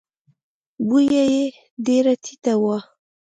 بویه یې ډېره ټیټه وه.